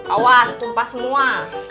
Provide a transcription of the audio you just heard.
awas tumpah semua